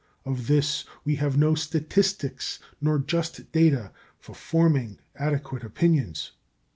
Of this we have no statistics nor just data for forming adequate opinions.